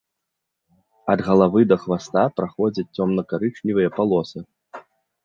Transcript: Ад галавы да хваста праходзяць цёмна-карычневыя палосы.